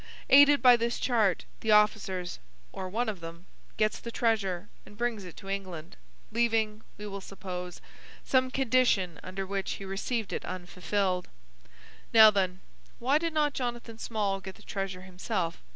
Aided by this chart, the officers—or one of them—gets the treasure and brings it to England, leaving, we will suppose, some condition under which he received it unfulfilled. Now, then, why did not Jonathan Small get the treasure himself?